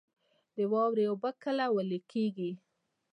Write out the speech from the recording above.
د واورې اوبه کله ویلی کیږي؟